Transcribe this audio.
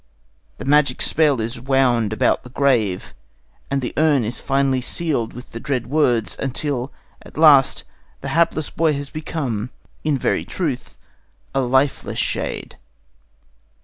The magic spell is wound about the grave, and the urn is finally sealed with the dread words, until at last the hapless boy has become, in very truth, a lifeless shade.